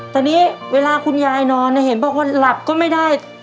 ตอนนี้เวลาคุณยายนอนเพิ่งรับไม่ได้